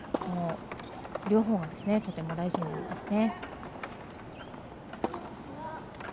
両方がとても大事になりますね。